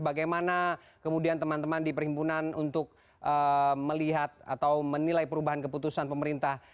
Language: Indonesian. bagaimana kemudian teman teman di perhimpunan untuk melihat atau menilai perubahan keputusan pemerintah